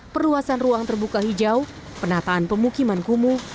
perluasan ruang terbuka hijau penataan pemukiman kumuh